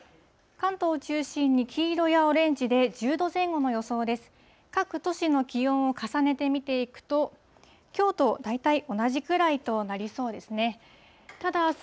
関東を中心に黄色やオレンジで、１０度前後の予想です。